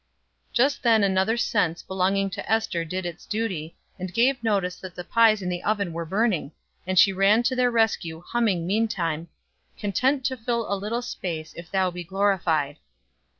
Just then another sense belonging to Ester did its duty, and gave notice that the pies in the oven were burning; and she ran to their rescue, humming meantime: "Content to fill a little space If thou be glorified."